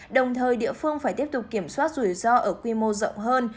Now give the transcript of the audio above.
đồng thời địa phương phải tiếp tục kiểm soát rủi ro ở quy mô rộng hơn